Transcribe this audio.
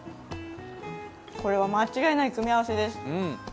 これは間違いない組み合わせです